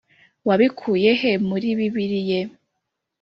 Wabikuye he muri bibiliye